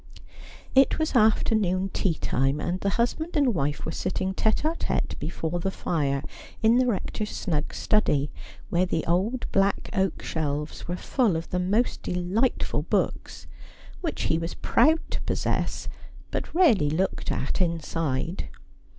It was afternoon tea time, and the husband and wife were sitting tete a tete before the fire in the Sector's snug study, where the old black oak shelves were full of the most delightful books, which he was proud to possess but rarely looked at — inside.